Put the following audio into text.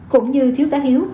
cũng như thiếu tá hiếu